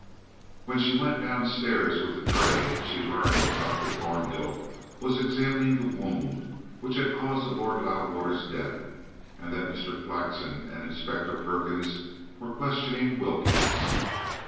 When she went downstairs with the tray she learned that Dr. Thornhill was examining the wound which had caused the Lord Loudwater's death, and that Mr. Flexen and Inspector Perkins were questioning Wilkins.